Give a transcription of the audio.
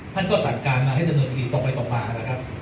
ท่านก็สั่งการณ์มาให้จะเนินอีกตรงไปตรงมานะครับ